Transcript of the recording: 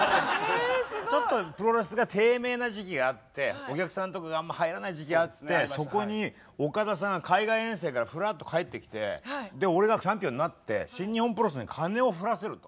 ちょっとプロレスが低迷な時期があってお客さんとかがあんま入らない時期があってそこにオカダさんが海外遠征からふらっと帰ってきて「俺がチャンピオンになって新日本プロレスにカネを降らせる」と。